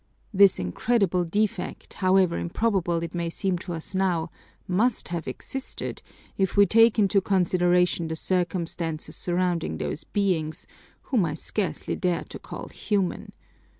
This incredible defect, however improbable it may seem to us now, must have existed, if we take into consideration the circumstances surrounding those beings, whom I scarcely dare to call human!